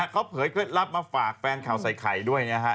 เขาเผยเคล็ดลับมาฝากแฟนข่าวใส่ไข่ด้วยนะฮะ